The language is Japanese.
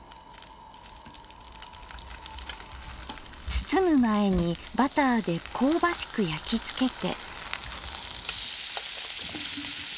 包む前にバターで香ばしく焼き付けて。